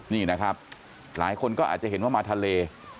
นี่นะครับหลายคนก็อาจจะเห็นว่ามาทะเล